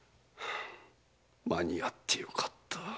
間にあってよかった。